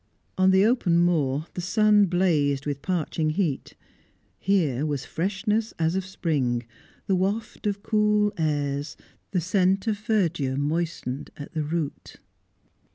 On the open moor, the sun blazed with parching heat; here was freshness as of spring, the waft of cool airs, the scent of verdure moistened at the root.